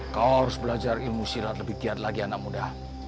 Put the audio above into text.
kau harus belajar ilmu silat lebih giat lagi anak muda